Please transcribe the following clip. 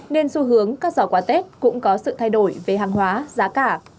nên xu hướng các giỏ quà tết cũng có sự thay đổi về hàng hóa giá cả